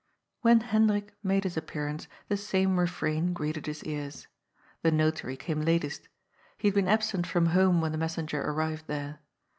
When Hendrik made his appearance, the same refrain greeted his ears. The Notary came latest. He had been absent from home when the messenger arrived there.